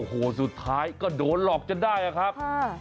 โอ้โหสุดท้ายก็โดนหลอกจนได้อะครับ